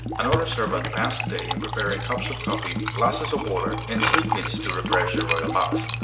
Another servant passed the day in preparing cups of coffee, glasses of water, and sweetmeats to refresh the royal mouth.